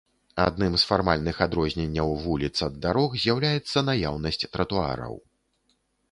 Адным з фармальных адрозненняў вуліц ад дарог з'яўляецца наяўнасць тратуараў.